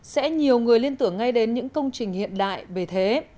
sẽ nhiều người liên tưởng ngay đến những công trình hiện đại về thế